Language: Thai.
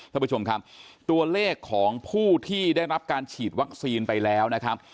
ท่านผู้ชมครับตัวเลขของผู้ที่ได้รับการฉีดวัคซีนไปแล้วนะครับ